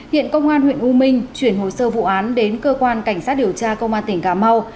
hiện công an huyện u minh chuyển hồ sơ vụ án đến cơ quan cảnh sát điều tra công an tỉnh cà mau